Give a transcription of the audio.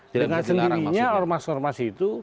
dengan sendirinya ormas ormas itu